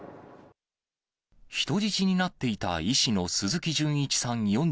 人質になっていた医師の鈴木純一さん